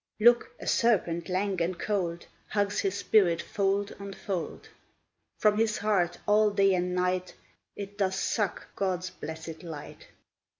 Look! a serpent lank and cold Hugs his spirit fold on fold; From his heart, all day and night, It doth suck God's blessed light.